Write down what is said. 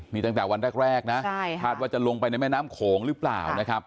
นี่ตั้งแต่วันแรกนะคาดว่าจะลงไปในแม่น้ำโขงหรือเปล่านะครับ